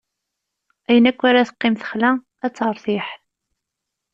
Ayen akk ara teqqim texla, ad teṛtiḥ.